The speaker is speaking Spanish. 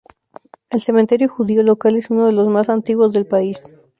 El cementerio judío local es uno de los más antiguos del país.